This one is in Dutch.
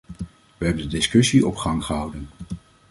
Wij hebben de discussie op gang gehouden.